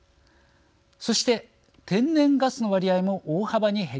そして天然ガスの割合も大幅に減りました。